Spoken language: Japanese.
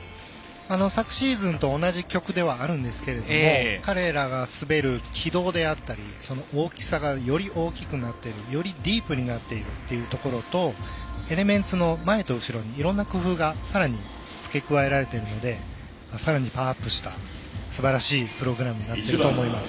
昨シーズンと同じ曲ではあるんですけれども彼らが滑る軌道であったり大きさがより大きくなっているよりディープになっているというところとエレメンツの前と後ろにいろんな工夫がさらに付け加えられているのでさらにパワーアップしたすばらしいプログラムになっていると思います。